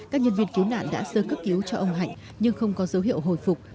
các nhân viên cứu nạn đã sơ cấp cứu cho ông hạnh nhưng không có dấu hiệu hồi phục